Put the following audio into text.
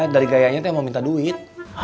dari gayanya dia mau minta duit